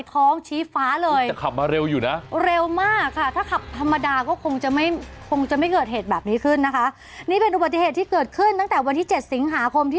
โปรดติดตามตอนต่อไป